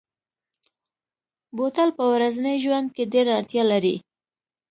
بوتل په ورځني ژوند کې ډېره اړتیا لري.